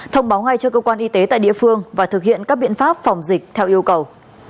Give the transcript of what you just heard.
thông báo ngay cho cơ quan y tế tại địa phương và thực hiện các biện pháp phòng dịch theo yêu cầu